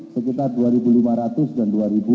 sekitar dua ribu lima ratus dan dua ribu